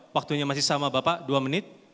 waktunya masih sama bapak dua menit